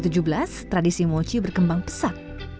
tradisi moci berkembang pesat